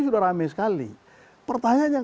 sudah rame sekali pertanyaan yang